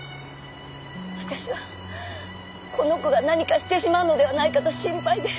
私はこの子が何かしてしまうのではないかと心配で。